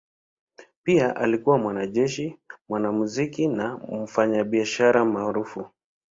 Pia alikuwa mwanajeshi, mwanamuziki na mfanyabiashara maarufu.